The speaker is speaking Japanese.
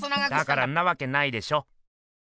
だからんなわけないでしょ。